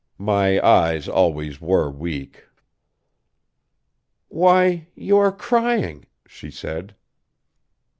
My eyes always were weak. "Why, you are crying!" she said.